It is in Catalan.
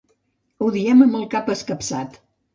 Ho diem amb el cap escapçat.